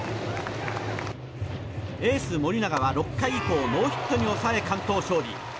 エース、森永は６回以降ノーヒットに抑え完投勝利。